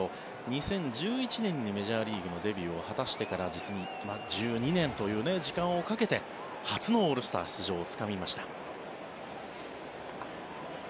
２０１１年にメジャーリーグのデビューを果たしてから実に１２年という時間をかけて初のオールスター出場をつかみました。